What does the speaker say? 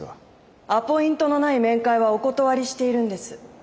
アポイントのない面会はお断りしているんです。